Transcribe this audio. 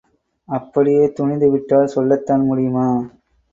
அப்படியயே துணிந்து விட்டால் சொல்லத்தான் முடியுமா?